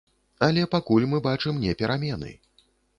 Але пакуль мы бачым не перамены.